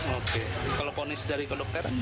oke kalau konis dari kondokter